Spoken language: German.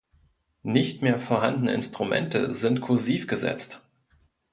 Nicht mehr vorhandene Instrumente sind "kursiv" gesetzt.